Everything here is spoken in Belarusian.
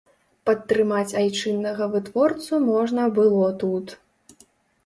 Падтрымаць айчыннага вытворцу можна было тут.